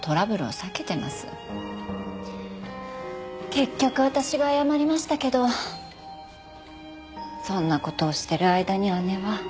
結局私が謝りましたけどそんな事をしてる間に姉は。